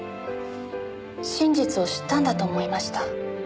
真実を知ったんだと思いました。